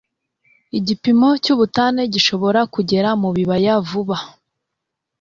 Igipimo cyubutane gishobora kugera mubibaya vuba.